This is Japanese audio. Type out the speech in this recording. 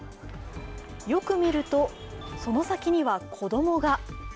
よく見ると、その先には子供が。